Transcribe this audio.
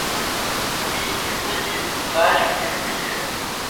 می کِھسِجیْ لاشیْ پݨیْ بِلِیانیْ۔